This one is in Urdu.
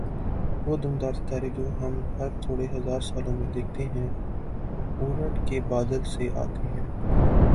وہ دُمدار ستارے جو ہم ہر تھوڑے ہزار سالوں میں دیکھتے ہیں "اوٗرٹ کے بادل" سے آتے ہیں۔